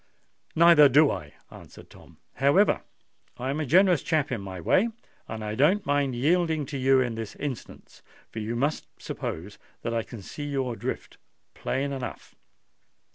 "Neither do I," answered Tom. "However, I am a generous chap in my way, and I don't mind yielding to you in this instance; for you must suppose that I can see your drift plain enough.